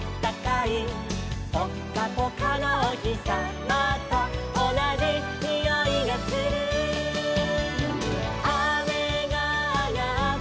「ぽっかぽかのおひさまとおなじにおいがする」「あめがあがったよ」